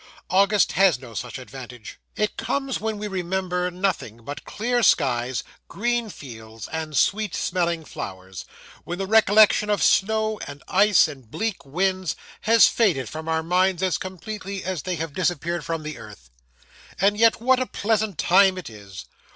August has no such advantage. It comes when we remember nothing but clear skies, green fields, and sweet smelling flowers when the recollection of snow, and ice, and bleak winds, has faded from our minds as completely as they have disappeared from the earth and yet what a pleasant time it is!